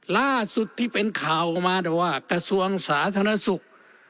ล่าสุดที่เป็นข่าวออกมาแต่ว่ากระทรวงสาธารณสุข